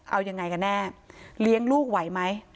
เอายังไงกันแน่เลี้ยงลูกไหวไหม